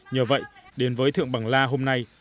nhờ vậy đến với thượng bằng la hôm nay